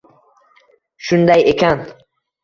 Shunday ekan.